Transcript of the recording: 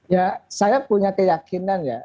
ya saya punya keyakinan ya